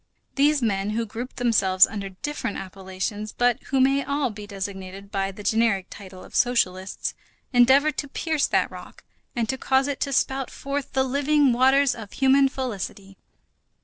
These men who grouped themselves under different appellations, but who may all be designated by the generic title of socialists, endeavored to pierce that rock and to cause it to spout forth the living waters of human felicity.